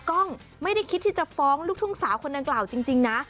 กล้องไม่ได้คิดที่จะฟ้องลูกทุ่งสาวคนดังกล่าวจริงนะ